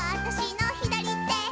「私の左手」